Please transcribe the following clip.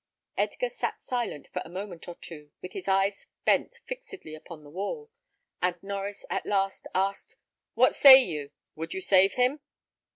Edgar sat silent for a moment or two, with his eyes bent fixedly upon the wall, and Norries at last asked, "What say you? would you save him?"